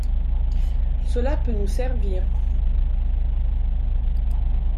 Cela peut nous servir…